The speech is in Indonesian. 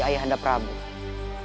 ayah anda prabu marta singa